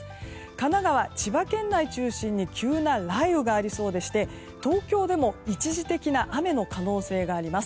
神奈川、千葉県内中心に急な雷雨がありそうでして東京でも一時的な雨の可能性があります。